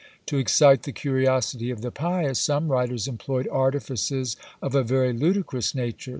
To excite the curiosity of the pious, some writers employed artifices of a very ludicrous nature.